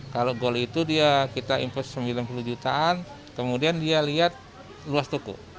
kalau gold itu dia kita invest sembilan puluh jutaan kemudian dia lihat luas tuku